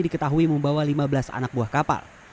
diketahui membawa lima belas anak buah kapal